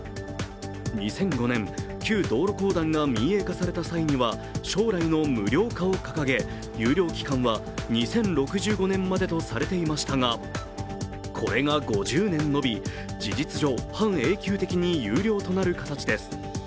２００５年、旧道路公団が民営化された際には将来の無料化を掲げ、有料期間は２０６５年までとされていましたがこれが５０年延び、事実上半永久的に有料となる形です。